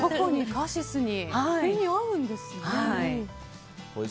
カシスに栗が合うんですね。